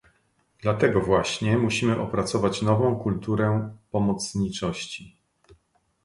Dlatego właśnie musimy opracować nową kulturę pomocniczości